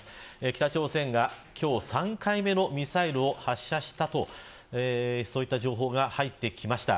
北朝鮮が今日、３回目のミサイルを発射したという情報が入ってきました。